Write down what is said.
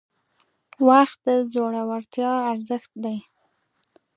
• وخت د زړورتیا ارزښت دی.